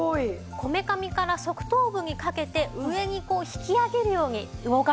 こめかみから側頭部にかけて上にこう引き上げるように動かしていくんです。